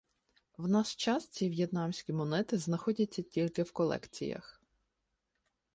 В наш час ці в'єтнамські монети знаходяться тільки в колекціях.